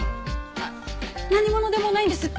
あっ何者でもないんです。